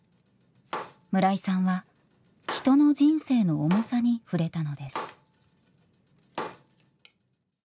村井さんは人の人生の重さに触れたのです。